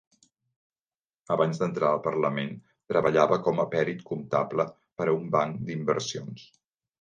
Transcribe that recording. Abans d'entrar al Parlament, treballava com a pèrit comptable per a un banc d'inversions.